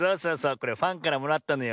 これファンからもらったのよ。